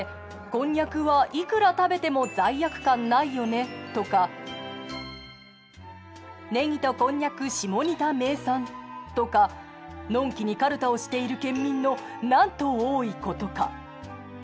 「こんにゃくはいくら食べても罪悪感ないよね」とか「ねぎとこんにゃく下仁田名産」とかのんきにカルタをしている県民のなんと多いことか。